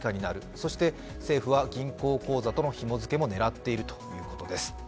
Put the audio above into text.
そして政府は銀行口座とのひも付けも狙っているということです。